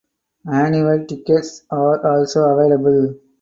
Annual tickets are also available.